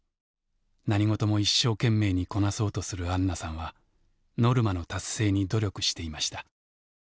何事も一生懸命にこなそうとするあんなさんはノルマの達成に努力していました。